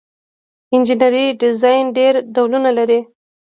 انجنیری ډیزاین ډیر ډولونه لري.